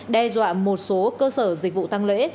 đe dọa một số cơ sở dịch vụ tăng lễ